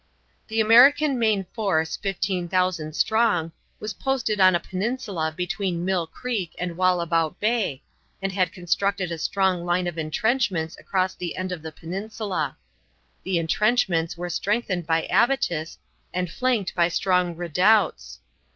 The American main force, 15,000 strong, was posted on a peninsula between Mill Creek and Wallabout Bay, and had constructed a strong line of intrenchments across the end of the peninsula. The intrenchments were strengthened by abattis and flanked by strong redoubts.